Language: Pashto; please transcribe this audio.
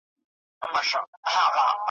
نسکور وېشي جامونه نن مغان په باور نه دی `